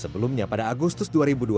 sebelumnya pada agustus dua ribu dua puluh